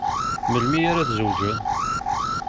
Melmi ara tzewǧeḍ?